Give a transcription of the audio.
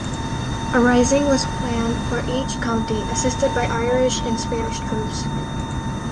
A rising was planned for each county, assisted by Irish and Spanish troops.